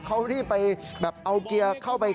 เขารีบไปแบบเอาเกียร์เข้าไป